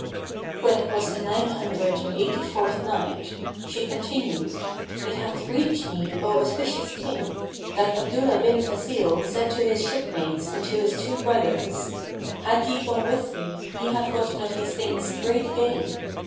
When it was the Nine Hundred and Eighty fourth Night, She continued, It hath reached me, O auspicious King, that Abdullah bin Fazil said to his shipmates and to his two brothers, "Had ye gone with me, ye had gotten of these things great gain."